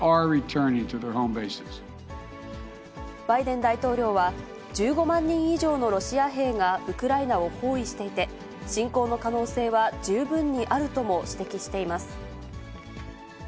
バイデン大統領は、１５万人以上のロシア兵がウクライナを包囲していて、侵攻の可能性は十分にあるとも指摘しています。